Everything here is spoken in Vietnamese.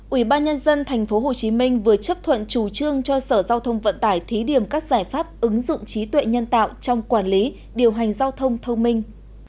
ủy ban nhân dân tp hcm vừa chấp thuận chủ trương cho sở giao thông vận tải thí điểm các giải pháp ứng dụng trí tuệ nhân tạo trong quản lý điều hành giao thông thông minh